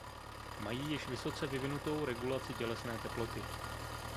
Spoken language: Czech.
Mají již vysoce vyvinutou regulaci tělesné teploty.